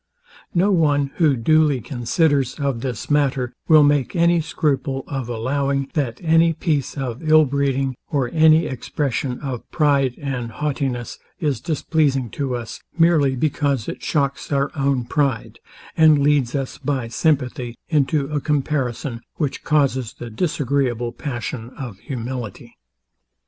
No one, who duly considers of this matter, will make any scruple of allowing, that any piece of in breeding, or any expression of pride and haughtiness, is displeasing to us, merely because it shocks our own pride, and leads us by sympathy into a comparison, which causes the disagreeable passion of humility.